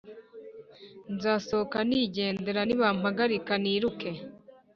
nzasohoka nigendera nibampagarika niruke